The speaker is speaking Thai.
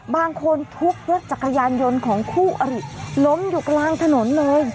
บางคนทุบรถจักรยานยนต์ของคู่อริล้มอยู่กลางถนนเลย